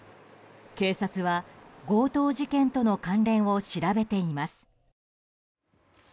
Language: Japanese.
警察は強盗事件との関連を調べています。